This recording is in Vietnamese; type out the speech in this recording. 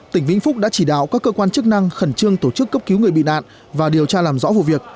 tỉnh vĩnh phúc đã chỉ đạo các cơ quan chức năng khẩn trương tổ chức cấp cứu người bị nạn và điều tra làm rõ vụ việc